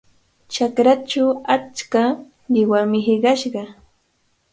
Chakrachaw achka qiwami hiqashqa.